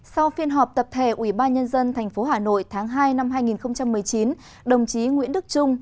sau phiên họp tập thể ubnd tp hà nội tháng hai năm hai nghìn một mươi chín đồng chí nguyễn đức trung